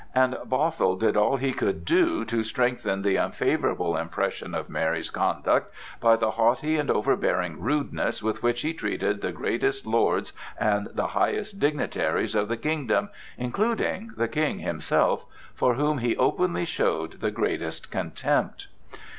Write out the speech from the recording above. And Bothwell did all he could do to strengthen the unfavorable impression of Mary's conduct by the haughty and overbearing rudeness with which he treated the greatest lords and the highest dignitaries of the kingdom, including the King himself, for whom he openly showed the greatest contempt.